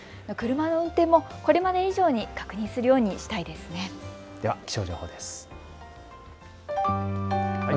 車の運転も、これまで以上に確認するようにしたいですね。